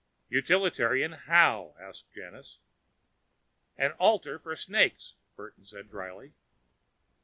"Utilitarian, how?" asked Janus. "An altar for snakes," Burton said dryly.